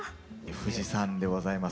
富士山でございます。